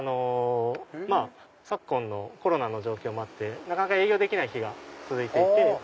昨今のコロナの状況もあって営業できない日が続いていて。